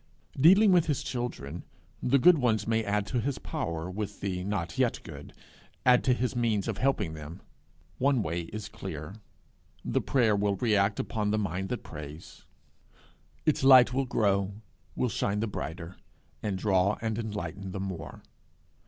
Dealing with his children, the good ones may add to his power with the not yet good add to his means of helping them. One way is clear: the prayer will react upon the mind that prays, its light will grow, will shine the brighter, and draw and enlighten the more.